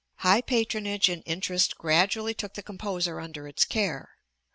High patronage and interest gradually took the composer under its care.